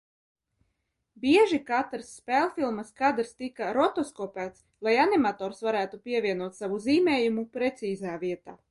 Bieži katrs spēlfilmas kadrs tika rotoskopēts, lai animators varētu pievienot savu zīmējumu precīzā vietā.